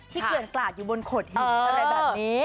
เกลื่อนกลาดอยู่บนโขดหินอะไรแบบนี้